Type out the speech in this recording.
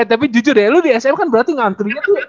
eh tapi jujur ya lu di sm kan berarti ngantri nya tuh